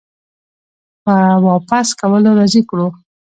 په واپس کولو راضي کړو